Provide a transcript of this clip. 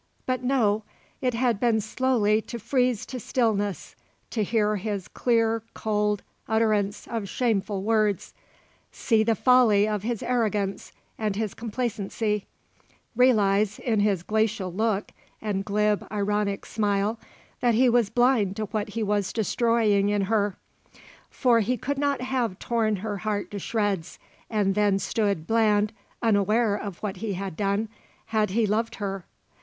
But no; it had been slowly to freeze to stillness to hear his clear cold utterance of shameful words, see the folly of his arrogance and his complacency, realise, in his glacial look and glib, ironic smile, that he was blind to what he was destroying in her. For he could not have torn her heart to shreds and then stood bland, unaware of what he had done, had he loved her.